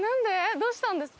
どうしたんですか？